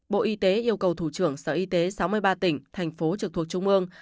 bộ y tế yêu cầu thủ trưởng sở y tế sáu mươi ba tỉnh thành phố trực thuộc trung ương